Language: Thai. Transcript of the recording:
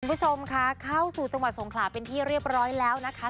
คุณผู้ชมค่ะเข้าสู่จังหวัดสงขลาเป็นที่เรียบร้อยแล้วนะคะ